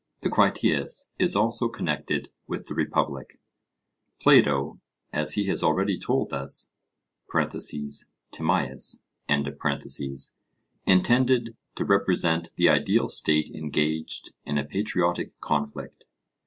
The Critias is also connected with the Republic. Plato, as he has already told us (Tim.), intended to represent the ideal state engaged in a patriotic conflict.